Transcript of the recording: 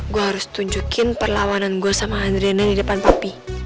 gue harus tunjukin perlawanan gue sama adriana di depan topi